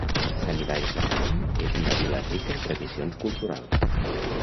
Sant Hilari Sacalm és una vila rica en tradicions culturals.